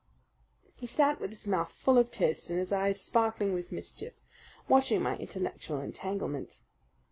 He sat with his mouth full of toast and his eyes sparkling with mischief, watching my intellectual entanglement.